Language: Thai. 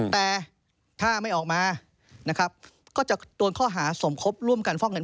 แต่ถ้าไม่ออกมานะครับก็จะโดนข้อหาสมคบร่วมกันฟอกเงิน